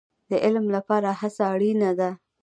د علم لپاره هڅه اړین ده